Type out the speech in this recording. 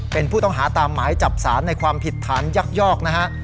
เป็นผู้ต้องหาตามหมายจับสารในความผิดฐานยักยอกนะฮะ